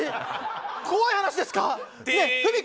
怖い話ですか？